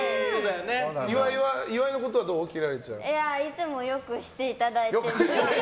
いつも良くしていただいてて。